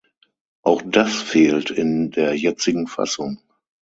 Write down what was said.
Auch das fehlt in der jetzigen Fassung.